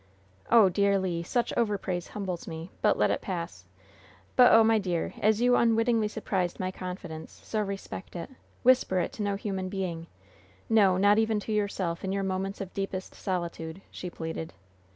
"Oh, dear Le, such overpraise humbles me! Let it pass! But, oh, my dear, as you unwittingly surprised my confidence, so respect it. Whisper it to no human being no, not even to yourself in your moments of deepest solitude!" she pleaded.